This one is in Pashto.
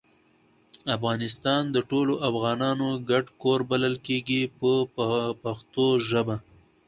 افغانستان د ټولو افغانانو ګډ کور بلل کیږي په پښتو ژبه.